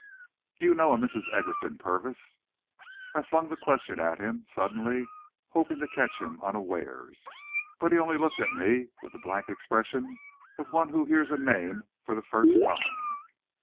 "Do you know a Mrs. Egerton Purvis?" I flung the question at him, suddenly, hoping to catch him unawares. But he only looked at me with the blank expression of one who hears a name for the first time.